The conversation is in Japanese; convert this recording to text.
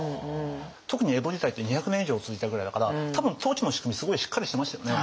特に江戸時代って２００年以上続いたぐらいだから多分統治の仕組みすごいしっかりしてましたよね。